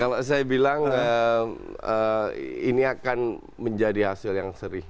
kalau saya bilang ini akan menjadi hasil yang seri